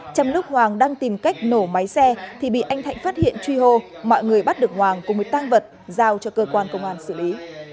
trong lúc hoàng đang tìm cách nổ máy xe thì bị anh thạnh phát hiện truy hô mọi người bắt được hoàng cùng với tăng vật giao cho cơ quan công an xử lý